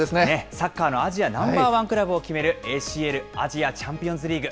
サッカーのアジアナンバーワンクラブを決める、ＡＣＬ・アジアチャンピオンズリーグ。